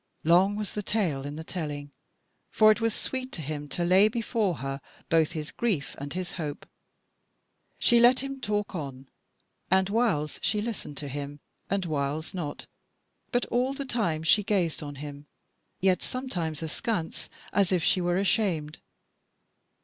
Long was the tale in the telling, for it was sweet to him to lay before her both his grief and his hope. She let him talk on, and whiles she listened to him, and whiles, not, but all the time she gazed on him, yet sometimes askance, as if she were ashamed.